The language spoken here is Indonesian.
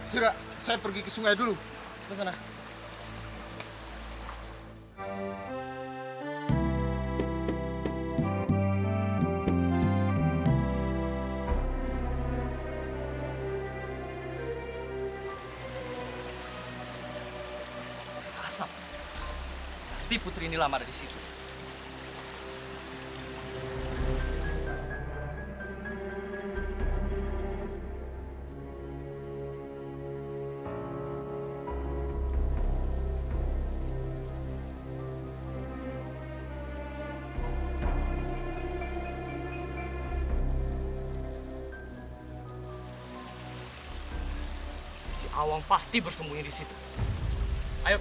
jangan lupa like share dan subscribe ya